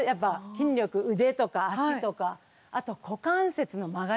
筋力腕とか脚とかあと股関節の曲がり方。